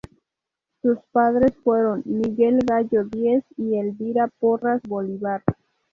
Sus padres fueron Miguel Gallo Diez y Elvira Porras Bolívar.